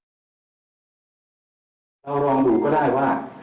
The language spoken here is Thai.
เราลองดูก็ได้ว่า